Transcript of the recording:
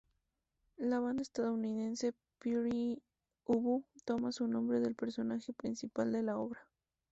La banda estadounidense Pere Ubu toma su nombre del personaje principal de la obra.